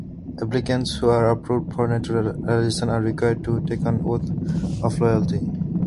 Applicants who are approved for naturalisation are required to take an Oath of Loyalty.